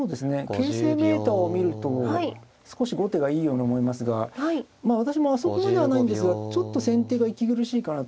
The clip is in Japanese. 形勢メーターを見ると少し後手がいいように思いますがまあ私もあそこまでではないんですがちょっと先手が息苦しいかなと。